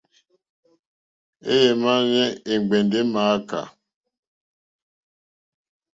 È mà ɲɔ́ è ŋgbɛ̀ndɛ̀ è mááká.